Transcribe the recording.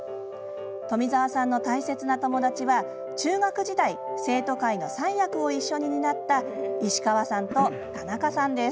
富澤さんの大切な友達は中学時代、生徒会の三役を一緒に担った石川さんと田中さんです。